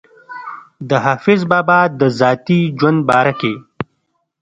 د حافظ بابا د ذاتي ژوند باره کښې